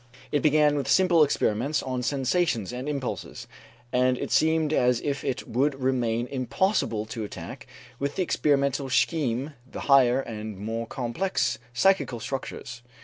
It began with simple experiments on sensations and impulses, and it seemed as if it would remain impossible to attack with the experimental scheme the higher and more complex psychical structures.